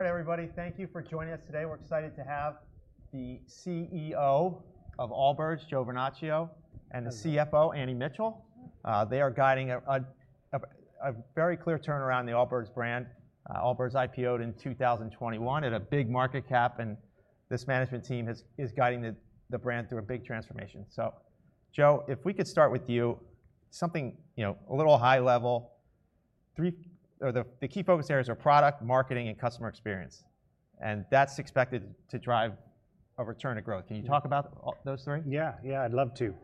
Hi everybody, thank you for joining us today. We're excited to have the CEO of Allbirds, Joe Vernachio, and the CFO, Annie Mitchell. They are guiding a very clear turnaround in the Allbirds brand. Allbirds IPO'd in 2021, had a big market cap, and this management team is guiding the brand through a big transformation. Joe, if we could start with you, something a little high level, the key focus areas are product, marketing, and customer experience. That is expected to drive a return to growth. Can you talk about those three? Yeah, yeah, I'd love to.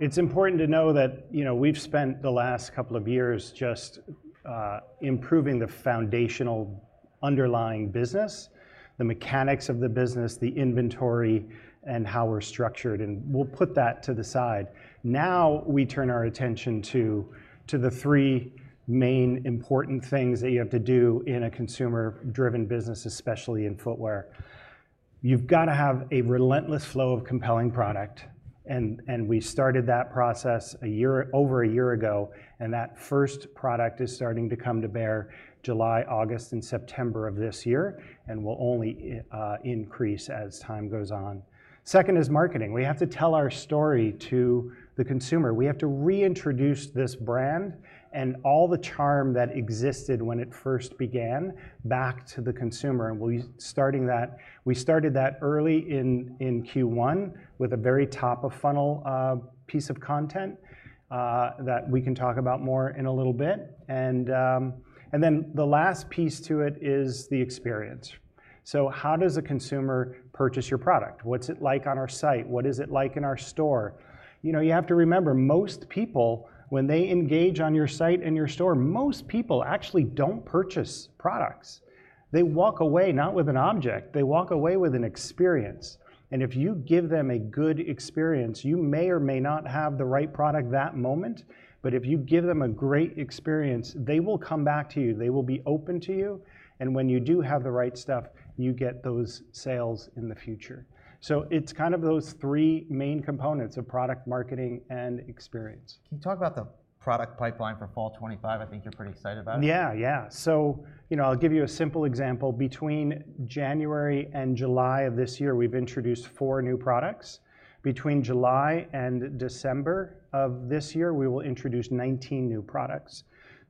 It's important to know that we've spent the last couple of years just improving the foundational underlying business, the mechanics of the business, the inventory, and how we're structured. We'll put that to the side. Now we turn our attention to the three main important things that you have to do in a consumer-driven business, especially in footwear. You've got to have a relentless flow of compelling product. We started that process over a year ago. That first product is starting to come to bear July, August, and September of this year, and will only increase as time goes on. Second is marketing. We have to tell our story to the consumer. We have to reintroduce this brand and all the charm that existed when it first began back to the consumer. We started that early in Q1 with a very top-of-funnel piece of content that we can talk about more in a little bit. The last piece to it is the experience. How does a consumer purchase your product? What is it like on our site? What is it like in our store? You have to remember, most people, when they engage on your site and your store, most people actually do not purchase products. They walk away not with an object, they walk away with an experience. If you give them a good experience, you may or may not have the right product that moment. If you give them a great experience, they will come back to you. They will be open to you. When you do have the right stuff, you get those sales in the future. It's kind of those three main components of product, marketing, and experience. Can you talk about the product pipeline for Fall 2025? I think you're pretty excited about it. Yeah, yeah. I'll give you a simple example. Between January and July of this year, we've introduced four new products. Between July and December of this year, we will introduce 19 new products.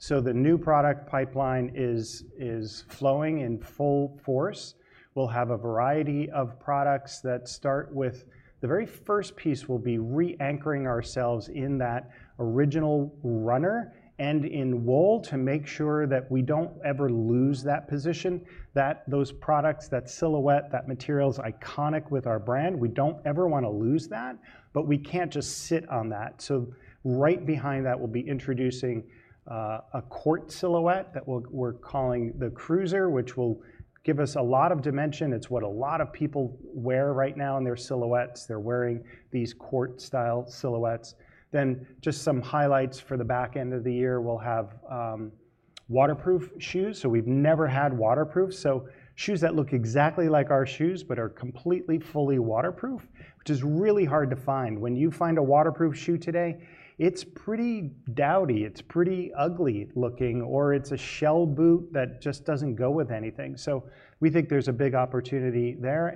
The new product pipeline is flowing in full force. We'll have a variety of products that start with the very first piece, which will be re-anchoring ourselves in that original runner and in wool to make sure that we don't ever lose that position, that those products, that silhouette, that material is iconic with our brand. We don't ever want to lose that, but we can't just sit on that. Right behind that, we'll be introducing a court silhouette that we're calling the Cruiser, which will give us a lot of dimension. It's what a lot of people wear right now in their silhouettes. They're wearing these cork-style silhouettes. Just some highlights for the back end of the year, we'll have waterproof shoes. We've never had waterproof, so shoes that look exactly like our shoes but are completely fully waterproof, which is really hard to find. When you find a waterproof shoe today, it's pretty dowdy, it's pretty ugly looking, or it's a shell boot that just does not go with anything. We think there's a big opportunity there.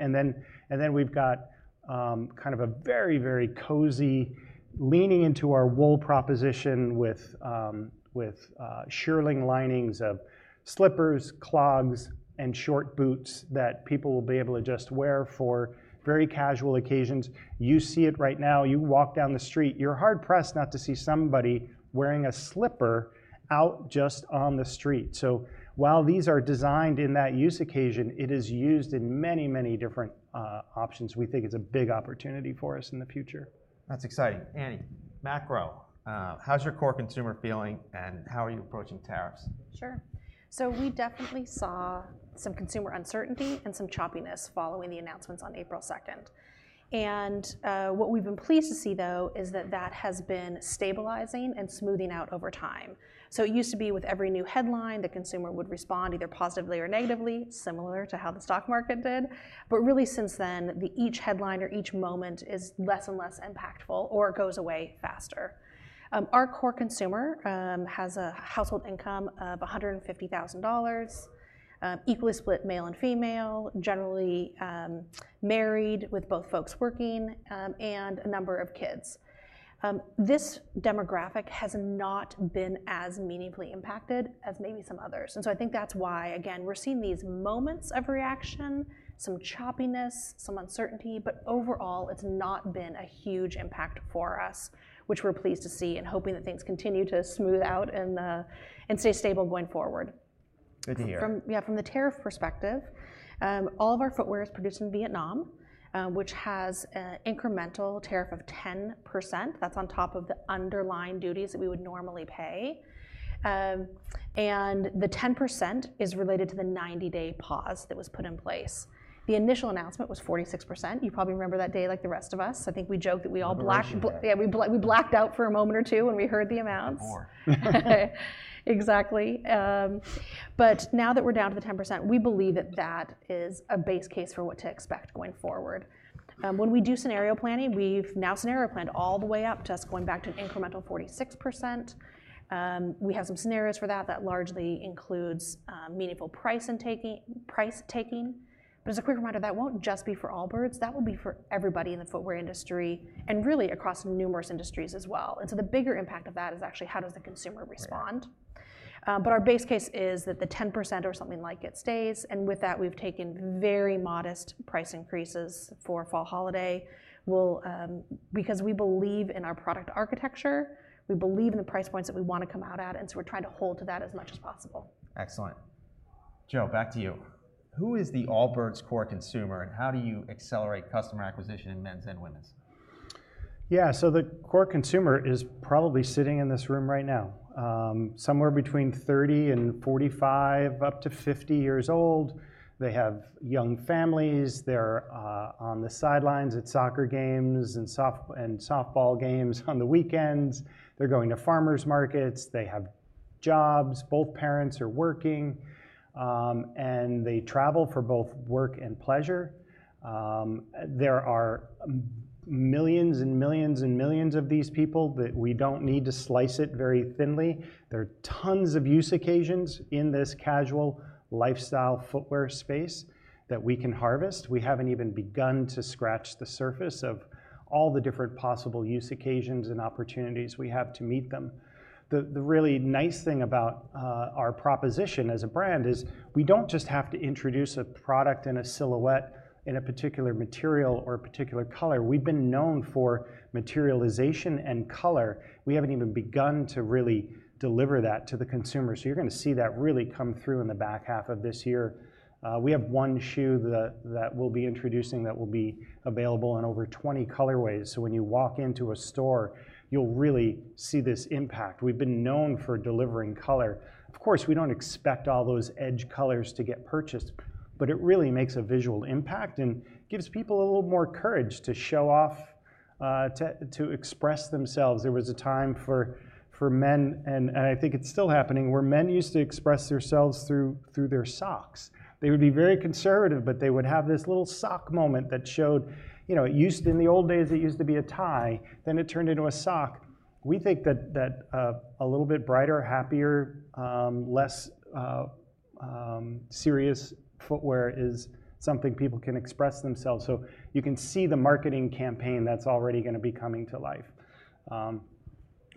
We've got kind of a very, very cozy leaning into our wool proposition with shearling linings of slippers, clogs, and short boots that people will be able to just wear for very casual occasions. You see it right now. You walk down the street, you're hard-pressed not to see somebody wearing a slipper out just on the street. While these are designed in that use occasion, it is used in many, many different options. We think it's a big opportunity for us in the future. That's exciting. Annie, macro, how's your core consumer feeling and how are you approaching tariffs? Sure. We definitely saw some consumer uncertainty and some choppiness following the announcements on April 2nd. What we've been pleased to see, though, is that that has been stabilizing and smoothing out over time. It used to be with every new headline, the consumer would respond either positively or negatively, similar to how the stock market did. Really since then, each headline or each moment is less and less impactful or goes away faster. Our core consumer has a household income of $150,000, equally split male and female, generally married with both folks working and a number of kids. This demographic has not been as meaningfully impacted as maybe some others. I think that's why, again, we're seeing these moments of reaction, some choppiness, some uncertainty, but overall, it's not been a huge impact for us, which we're pleased to see and hoping that things continue to smooth out and stay stable going forward. Good to hear. Yeah, from the tariff perspective, all of our footwear is produced in Vietnam, which has an incremental tariff of 10%. That is on top of the underlying duties that we would normally pay. The 10% is related to the 90-day pause that was put in place. The initial announcement was 46%. You probably remember that day like the rest of us. I think we joked that we all blacked out. Blacked out. Yeah, we blacked out for a moment or two when we heard the amounts. Oh. Exactly. Now that we are down to the 10%, we believe that is a base case for what to expect going forward. When we do scenario planning, we have now scenario planned all the way up to us going back to an incremental 46%. We have some scenarios for that that largely include meaningful price taking. As a quick reminder, that will not just be for Allbirds. That will be for everybody in the footwear industry and really across numerous industries as well. The bigger impact of that is actually how the consumer responds. Our base case is that the 10% or something like it stays. With that, we have taken very modest price increases for Fall holiday because we believe in our product architecture. We believe in the price points that we want to come out at. We're trying to hold to that as much as possible. Excellent. Joe, back to you. Who is the Allbirds core consumer and how do you accelerate customer acquisition in men's and women's? Yeah, so the core consumer is probably sitting in this room right now, somewhere between 30 and 45, up to 50 years old. They have young families. They're on the sidelines at soccer games and softball games on the weekends. They're going to farmers' markets. They have jobs. Both parents are working. They travel for both work and pleasure. There are millions and millions and millions of these people that we don't need to slice it very thinly. There are tons of use occasions in this casual lifestyle footwear space that we can harvest. We haven't even begun to scratch the surface of all the different possible use occasions and opportunities we have to meet them. The really nice thing about our proposition as a brand is we don't just have to introduce a product and a silhouette in a particular material or a particular color. We've been known for materialization and color. We haven't even begun to really deliver that to the consumer. You're going to see that really come through in the back half of this year. We have one shoe that we'll be introducing that will be available in over 20 colorways. When you walk into a store, you'll really see this impact. We've been known for delivering color. Of course, we don't expect all those edge colors to get purchased, but it really makes a visual impact and gives people a little more courage to show off, to express themselves. There was a time for men, and I think it's still happening, where men used to express themselves through their socks. They would be very conservative, but they would have this little sock moment that showed. In the old days, it used to be a tie. It turned into a sock. We think that a little bit brighter, happier, less serious footwear is something people can express themselves with. You can see the marketing campaign that's already going to be coming to life.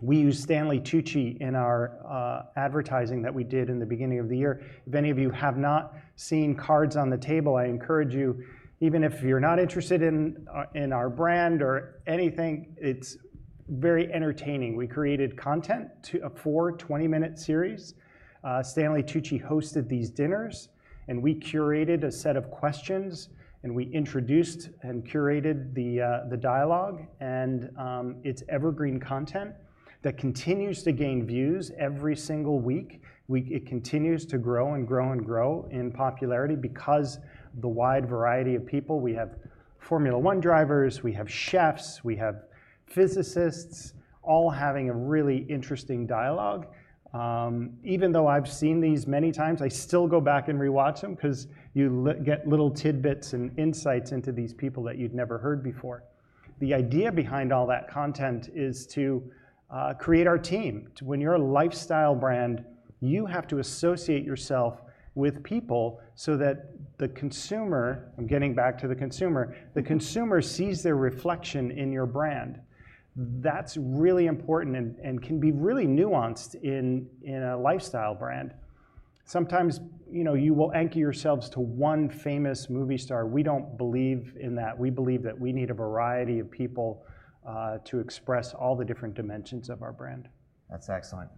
We use Stanley Tucci in our advertising that we did in the beginning of the year. If any of you have not seen Cards on the Table, I encourage you, even if you're not interested in our brand or anything, it's very entertaining. We created content for a 20-minute series. Stanley Tucci hosted these dinners, and we curated a set of questions, and we introduced and curated the dialogue. It's evergreen content that continues to gain views every single week. It continues to grow and grow and grow in popularity because of the wide variety of people. We have Formula 1 drivers. We have chefs. We have physicists all having a really interesting dialogue. Even though I've seen these many times, I still go back and re-watch them because you get little tidbits and insights into these people that you'd never heard before. The idea behind all that content is to create our team. When you're a lifestyle brand, you have to associate yourself with people so that the consumer, I'm getting back to the consumer, the consumer sees their reflection in your brand. That's really important and can be really nuanced in a lifestyle brand. Sometimes you will anchor yourselves to one famous movie star. We don't believe in that. We believe that we need a variety of people to express all the different dimensions of our brand. That's excellent.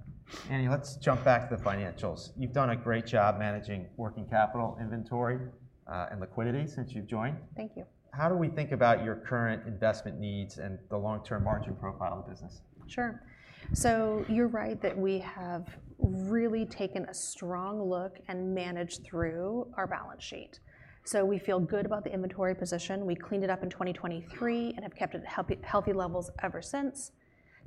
Annie, let's jump back to the financials. You've done a great job managing working capital, inventory, and liquidity since you've joined. Thank you. How do we think about your current investment needs and the long-term margin profile of the business? Sure. You're right that we have really taken a strong look and managed through our balance sheet. We feel good about the inventory position. We cleaned it up in 2023 and have kept it at healthy levels ever since.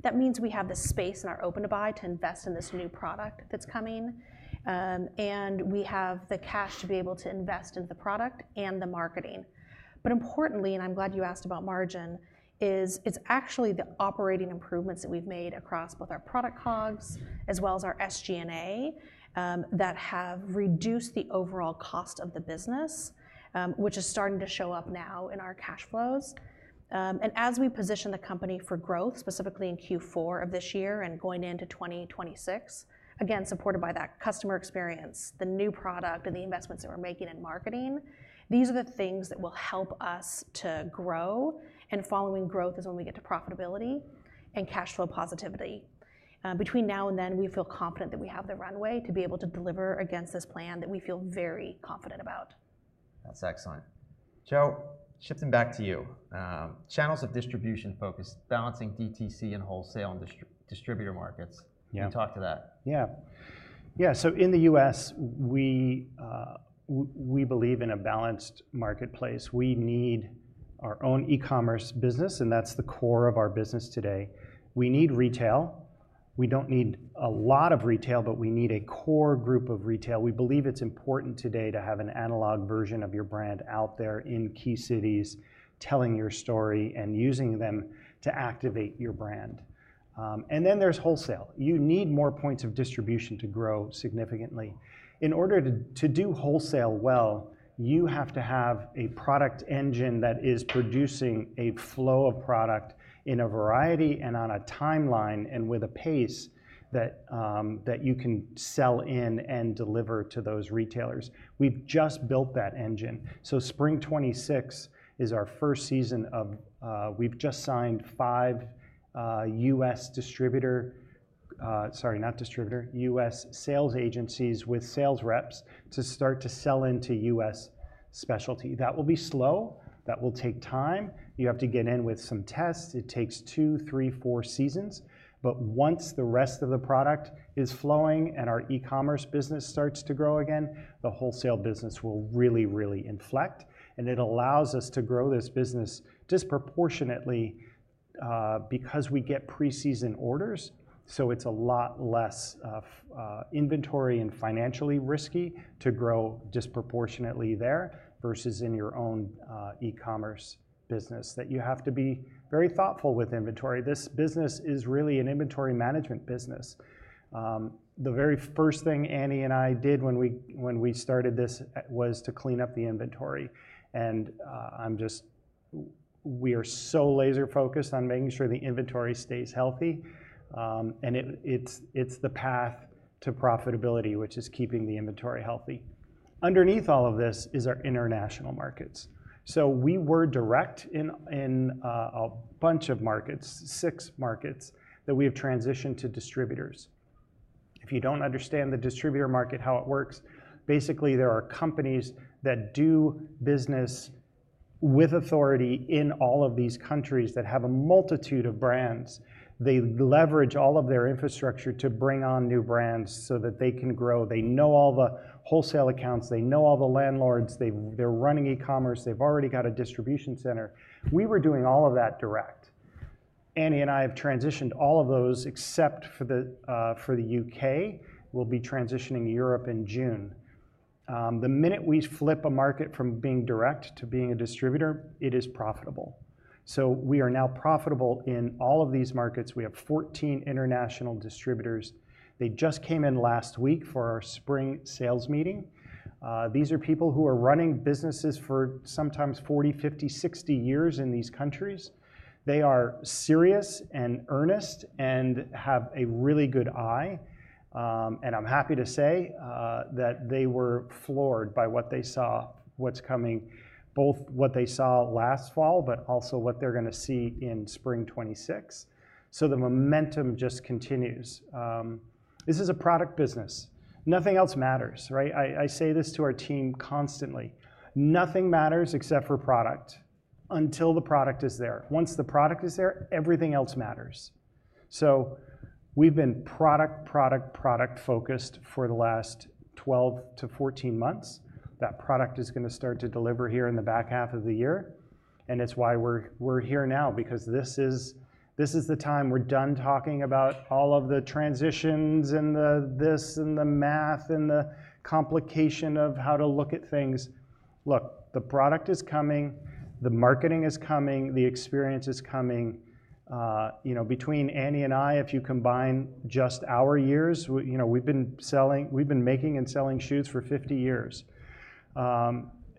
That means we have the space in our open to buy to invest in this new product that's coming. We have the cash to be able to invest in the product and the marketing. Importantly, and I'm glad you asked about margin, it's actually the operating improvements that we've made across both our product COGS as well as our SG&A that have reduced the overall cost of the business, which is starting to show up now in our cash flows. As we position the company for growth, specifically in Q4 of this year and going into 2026, again, supported by that customer experience, the new product, and the investments that we're making in marketing, these are the things that will help us to grow. Following growth is when we get to profitability and cash flow positivity. Between now and then, we feel confident that we have the runway to be able to deliver against this plan that we feel very confident about. That's excellent. Joe, shifting back to you. Channels of distribution focus balancing DTC and wholesale and distributor markets. Can you talk to that? Yeah. Yeah, so in the US, we believe in a balanced marketplace. We need our own e-commerce business, and that's the core of our business today. We need retail. We don't need a lot of retail, but we need a core group of retail. We believe it's important today to have an analog version of your brand out there in key cities telling your story and using them to activate your brand. There is wholesale. You need more points of distribution to grow significantly. In order to do wholesale well, you have to have a product engine that is producing a flow of product in a variety and on a timeline and with a pace that you can sell in and deliver to those retailers. We've just built that engine. Spring 2026 is our first season of we've just signed five US sales agencies with sales reps to start to sell into US specialty. That will be slow. That will take time. You have to get in with some tests. It takes two, three, four seasons. Once the rest of the product is flowing and our e-commerce business starts to grow again, the wholesale business will really, really inflect. It allows us to grow this business disproportionately because we get pre-season orders. It is a lot less inventory and financially risky to grow disproportionately there versus in your own e-commerce business that you have to be very thoughtful with inventory. This business is really an inventory management business. The very first thing Annie and I did when we started this was to clean up the inventory. We are so laser-focused on making sure the inventory stays healthy. It is the path to profitability, which is keeping the inventory healthy. Underneath all of this is our international markets. We were direct in a bunch of markets, six markets, that we have transitioned to distributors. If you do not understand the distributor market, how it works, basically there are companies that do business with authority in all of these countries that have a multitude of brands. They leverage all of their infrastructure to bring on new brands so that they can grow. They know all the wholesale accounts. They know all the landlords. They are running e-commerce. They have already got a distribution center. We were doing all of that direct. Annie and I have transitioned all of those except for the U.K. We will be transitioning Europe in June. The minute we flip a market from being direct to being a distributor, it is profitable. We are now profitable in all of these markets. We have 14 international distributors. They just came in last week for our spring sales meeting. These are people who are running businesses for sometimes 40, 50, 60 years in these countries. They are serious and earnest and have a really good eye. I am happy to say that they were floored by what they saw, what is coming, both what they saw last fall, but also what they are going to see in spring 2026. The momentum just continues. This is a product business. Nothing else matters, right? I say this to our team constantly. Nothing matters except for product until the product is there. Once the product is there, everything else matters. We have been product, product-focused for the last 12 to 14 months. That product is going to start to deliver here in the back half of the year. It is why we are here now because this is the time we are done talking about all of the transitions and this and the math and the complication of how to look at things. Look, the product is coming. The marketing is coming. The experience is coming. Between Annie and I, if you combine just our years, we have been making and selling shoes for 50 years.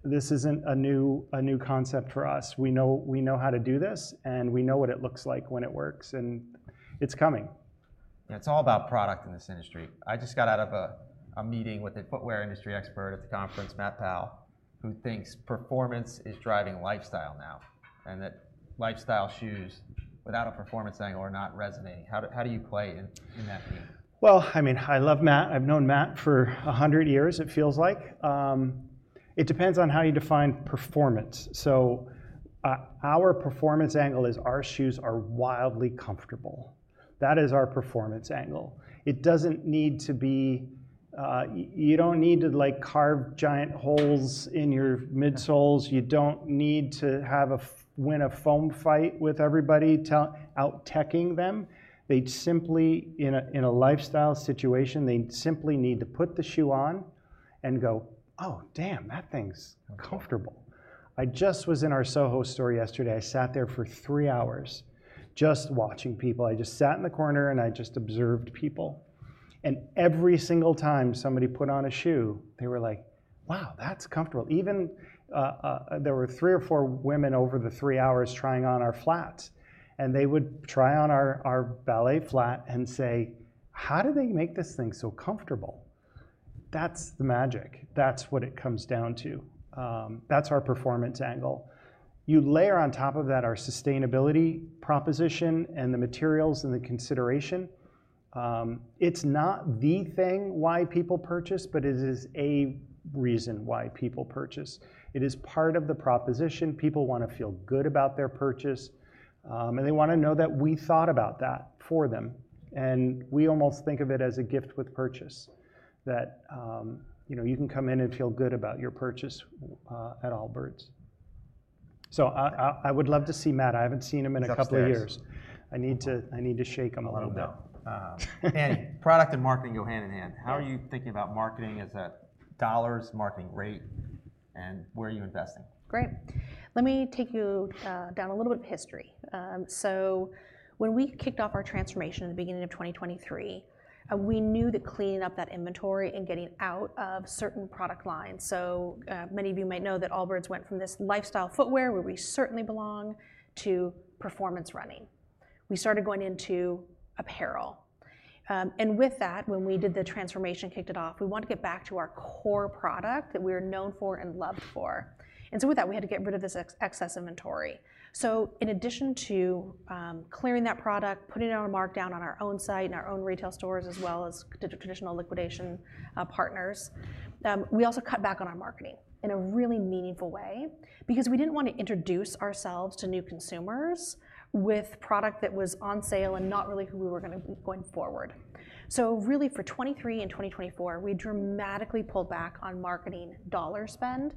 This is not a new concept for us. We know how to do this, and we know what it looks like when it works. It is coming. It's all about product in this industry. I just got out of a meeting with a footwear industry expert at the conference, Matt Powell, who thinks performance is driving lifestyle now and that lifestyle shoes without a performance angle are not resonating. How do you play in that game? I mean, I love Matt. I've known Matt for 100 years, it feels like. It depends on how you define performance. Our performance angle is our shoes are wildly comfortable. That is our performance angle. It does not need to be, you do not need to carve giant holes in your midsoles. You do not need to win a foam fight with everybody out-teching them. In a lifestyle situation, they simply need to put the shoe on and go, "Oh, damn, that thing's comfortable." I just was in our SoHo store yesterday. I sat there for three hours just watching people. I just sat in the corner, and I just observed people. Every single time somebody put on a shoe, they were like, "Wow, that's comfortable." There were three or four women over the three hours trying on our flats. They would try on our ballet flat and say, "How did they make this thing so comfortable?" That is the magic. That is what it comes down to. That is our performance angle. You layer on top of that our sustainability proposition and the materials and the consideration. It is not the thing why people purchase, but it is a reason why people purchase. It is part of the proposition. People want to feel good about their purchase, and they want to know that we thought about that for them. We almost think of it as a gift with purchase that you can come in and feel good about your purchase at Allbirds. I would love to see Matt. I have not seen him in a couple of years. I need to shake him a little bit. I love him. Annie, product and marketing go hand in hand. How are you thinking about marketing as a dollars, marketing rate, and where are you investing? Great. Let me take you down a little bit of history. When we kicked off our transformation at the beginning of 2023, we knew that cleaning up that inventory and getting out of certain product lines was important. Many of you might know that Allbirds went from this lifestyle footwear where we certainly belong to performance running. We started going into apparel. With that, when we did the transformation, kicked it off, we wanted to get back to our core product that we were known for and loved for. With that, we had to get rid of this excess inventory. In addition to clearing that product, putting our mark down on our own site and our own retail stores as well as traditional liquidation partners, we also cut back on our marketing in a really meaningful way because we did not want to introduce ourselves to new consumers with product that was on sale and not really who we were going to be going forward. Really, for 2023 and 2024, we dramatically pulled back on marketing dollar spend,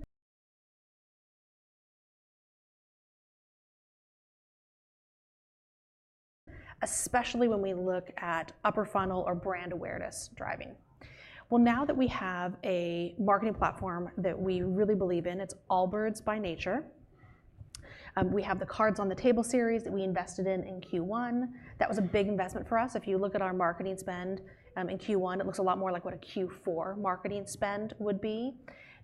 especially when we look at upper funnel or brand awareness driving. Now that we have a marketing platform that we really believe in, it is Allbirds by nature. We have the Cards on the Table series that we invested in in Q1. That was a big investment for us. If you look at our marketing spend in Q1, it looks a lot more like what a Q4 marketing spend would be.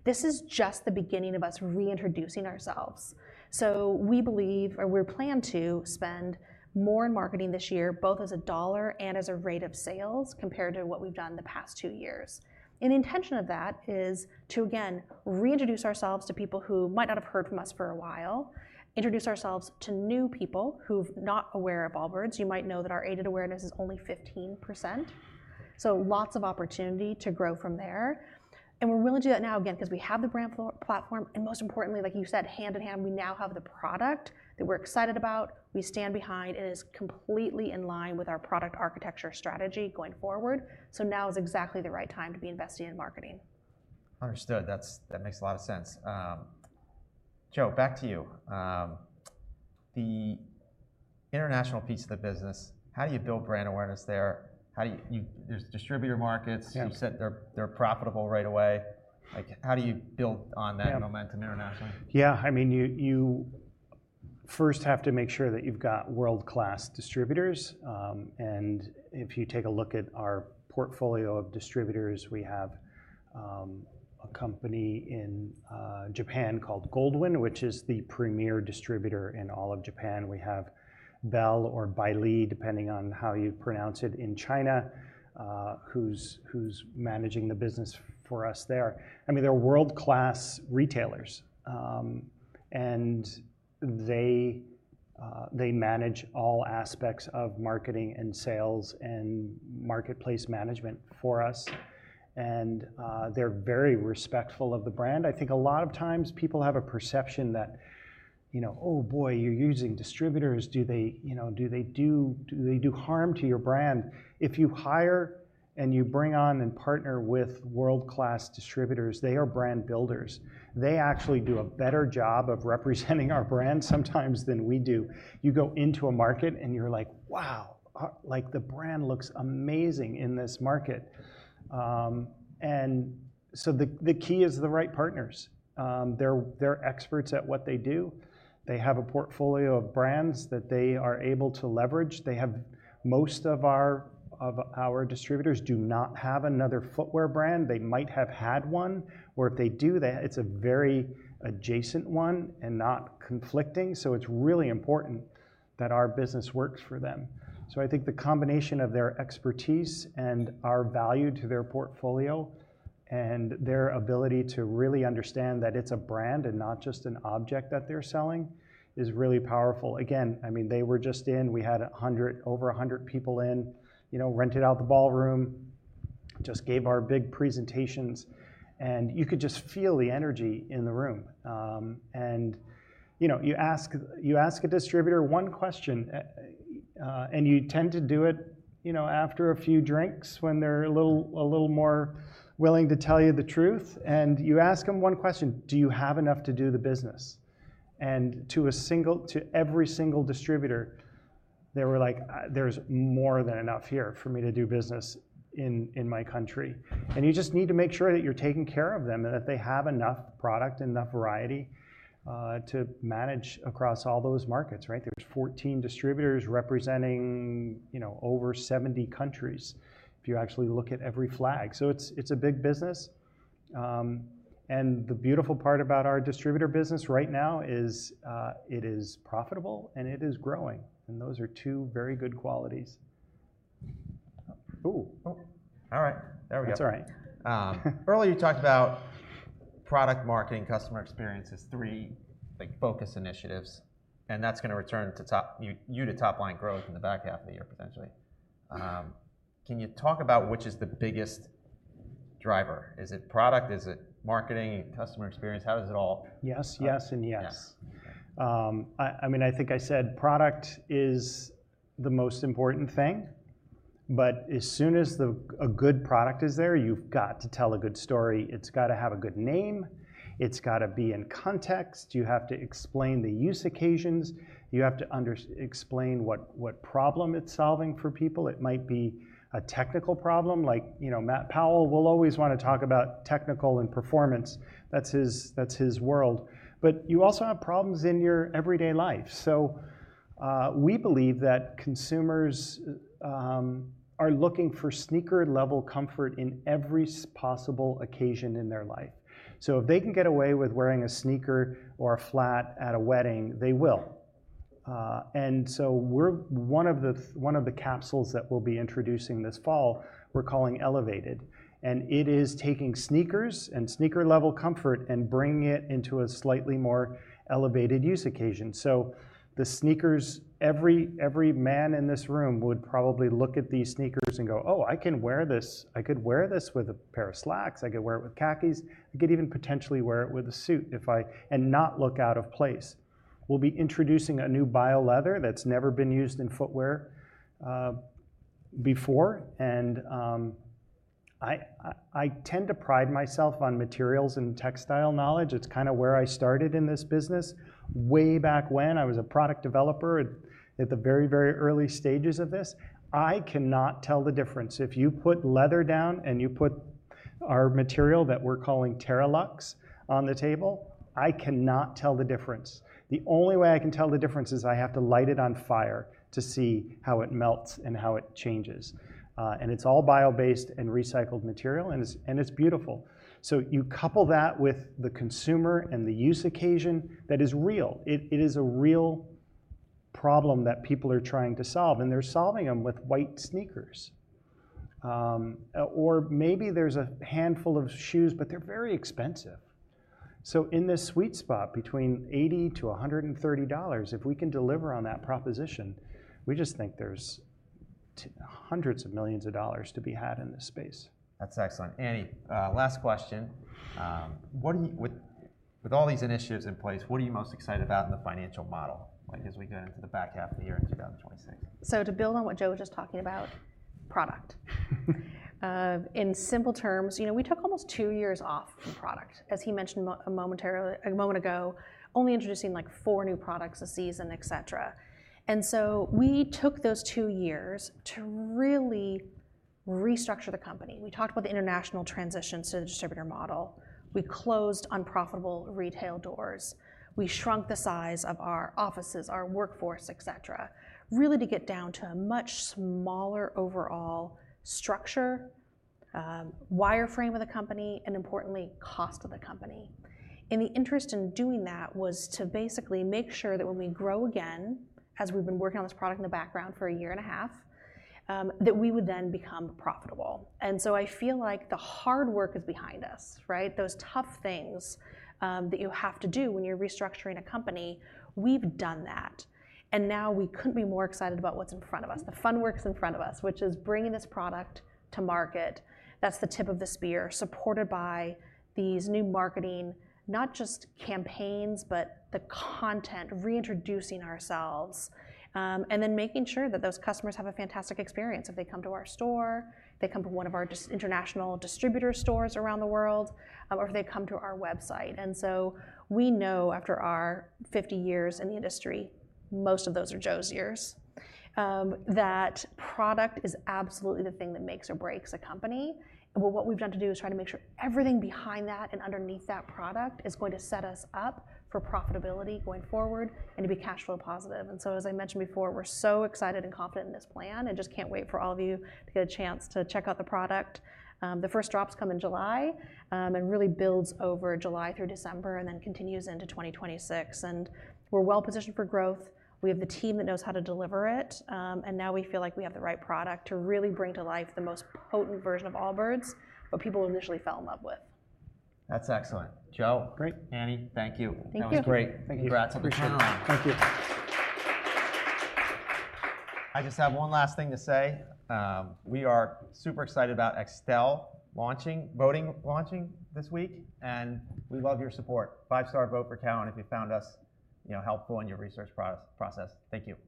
This is just the beginning of us reintroducing ourselves. We believe or we plan to spend more in marketing this year, both as a dollar and as a rate of sales compared to what we've done in the past two years. The intention of that is to, again, reintroduce ourselves to people who might not have heard from us for a while, introduce ourselves to new people who are not aware of Allbirds. You might know that our aided awareness is only 15%. Lots of opportunity to grow from there. We're willing to do that now, again, because we have the brand platform. Most importantly, like you said, hand in hand, we now have the product that we're excited about. We stand behind. It is completely in line with our product architecture strategy going forward. Now is exactly the right time to be investing in marketing. Understood. That makes a lot of sense. Joe, back to you. The international piece of the business, how do you build brand awareness there? There are distributor markets. You said they're profitable right away. How do you build on that momentum internationally? Yeah. I mean, you first have to make sure that you've got world-class distributors. If you take a look at our portfolio of distributors, we have a company in Japan called Goldwin, which is the premier distributor in all of Japan. We have Baili, depending on how you pronounce it, in China, who's managing the business for us there. I mean, they're world-class retailers. They manage all aspects of marketing and sales and marketplace management for us. They are very respectful of the brand. I think a lot of times people have a perception that, "Oh, boy, you're using distributors. Do they do harm to your brand?" If you hire and you bring on and partner with world-class distributors, they are brand builders. They actually do a better job of representing our brand sometimes than we do. You go into a market and you're like, "Wow, the brand looks amazing in this market." The key is the right partners. They're experts at what they do. They have a portfolio of brands that they are able to leverage. Most of our distributors do not have another footwear brand. They might have had one. Or if they do, it's a very adjacent one and not conflicting. It is really important that our business works for them. I think the combination of their expertise and our value to their portfolio and their ability to really understand that it's a brand and not just an object that they're selling is really powerful. Again, I mean, they were just in. We had over 100 people in, rented out the ballroom, just gave our big presentations. You could just feel the energy in the room. You ask a distributor one question, and you tend to do it after a few drinks when they're a little more willing to tell you the truth. You ask them one question, "Do you have enough to do the business?" To every single distributor, they were like, "There's more than enough here for me to do business in my country." You just need to make sure that you're taking care of them and that they have enough product and enough variety to manage across all those markets, right? There are 14 distributors representing over 70 countries if you actually look at every flag. It is a big business. The beautiful part about our distributor business right now is it is profitable and it is growing. Those are two very good qualities. Ooh. All right. There we go. That's all right. Earlier, you talked about product, marketing, customer experience as three focus initiatives. That is going to return you to top-line growth in the back half of the year, potentially. Can you talk about which is the biggest driver? Is it product? Is it marketing and customer experience? How does it all? Yes, yes, and yes. I mean, I think I said product is the most important thing. But as soon as a good product is there, you've got to tell a good story. It's got to have a good name. It's got to be in context. You have to explain the use occasions. You have to explain what problem it's solving for people. It might be a technical problem. Matt Powell will always want to talk about technical and performance. That's his world. But you also have problems in your everyday life. We believe that consumers are looking for sneaker-level comfort in every possible occasion in their life. If they can get away with wearing a sneaker or a flat at a wedding, they will. One of the capsules that we'll be introducing this fall, we're calling Elevated. It is taking sneakers and sneaker-level comfort and bringing it into a slightly more elevated use occasion. The sneakers, every man in this room would probably look at these sneakers and go, "Oh, I can wear this. I could wear this with a pair of slacks. I could wear it with khakis. I could even potentially wear it with a suit and not look out of place." We will be introducing a new bio-leather that has never been used in footwear before. I tend to pride myself on materials and textile knowledge. It is kind of where I started in this business way back when. I was a product developer at the very, very early stages of this. I cannot tell the difference. If you put leather down and you put our material that we are calling Terraluxe on the table, I cannot tell the difference. The only way I can tell the difference is I have to light it on fire to see how it melts and how it changes. It is all bio-based and recycled material, and it is beautiful. You couple that with the consumer and the use occasion, that is real. It is a real problem that people are trying to solve. They are solving them with white sneakers. Maybe there is a handful of shoes, but they are very expensive. In this sweet spot between $80-$130, if we can deliver on that proposition, we just think there is hundreds of millions of dollars to be had in this space. That's excellent. Annie, last question. With all these initiatives in place, what are you most excited about in the financial model as we get into the back half of the year in 2026? To build on what Joe was just talking about, product. In simple terms, we took almost two years off from product, as he mentioned a moment ago, only introducing four new products a season, et cetera. We took those two years to really restructure the company. We talked about the international transition to the distributor model. We closed unprofitable retail doors. We shrunk the size of our offices, our workforce, et cetera, really to get down to a much smaller overall structure, wireframe of the company, and importantly, cost of the company. The interest in doing that was to basically make sure that when we grow again, as we've been working on this product in the background for a year and a half, we would then become profitable. I feel like the hard work is behind us, right? Those tough things that you have to do when you're restructuring a company, we've done that. We couldn't be more excited about what's in front of us. The fun work's in front of us, which is bringing this product to market. That's the tip of the spear, supported by these new marketing, not just campaigns, but the content, reintroducing ourselves, and then making sure that those customers have a fantastic experience if they come to our store, if they come to one of our international distributor stores around the world, or if they come to our website. We know after our 50 years in the industry, most of those are Joe's years, that product is absolutely the thing that makes or breaks a company. What we've done to do is try to make sure everything behind that and underneath that product is going to set us up for profitability going forward and to be cash flow positive. As I mentioned before, we're so excited and confident in this plan and just can't wait for all of you to get a chance to check out the product. The first drops come in July and really builds over July through December and then continues into 2026. We're well positioned for growth. We have the team that knows how to deliver it. Now we feel like we have the right product to really bring to life the most potent version of Allbirds, what people initially fell in love with. That's excellent. Joe, Annie, thank you. That was great. Congrats on the challenge. Thank you. I just have one last thing to say. We are super excited about extel voting launching this week. We love your support. Five-star vote for Kyle and if you found us helpful in your research process. Thank you.